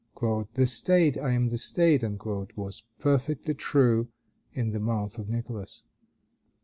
"The state! I am the state!" was perfectly true in the mouth of Nicholas.